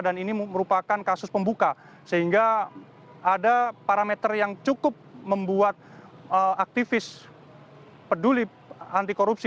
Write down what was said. dan ini merupakan kasus pembuka sehingga ada parameter yang cukup membuat aktivis peduli anti korupsi